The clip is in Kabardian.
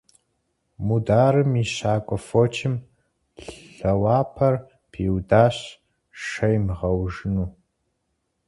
Мударым и щакӀуэ фочым и лъэуапэр пиудащ шэ имыгъэуэжыну.